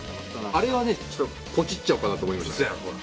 あれはねちょっとポチっちゃおうかなと思いました。